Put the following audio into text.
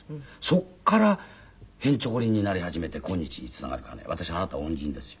そこからへんちょこりんになり始めて今日につながるからね私のあなた恩人ですよ。